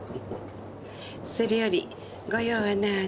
それより御用はなあに？